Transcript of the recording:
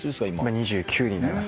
２９になります。